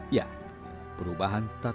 ya perubahan tata kelola hutan